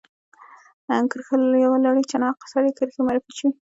کرښو یوه لړۍ چې ناحقه سرې کرښې معرفي شوې.